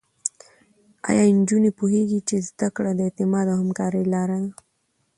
ایا نجونې پوهېږي چې زده کړه د اعتماد او همکارۍ لاره ده؟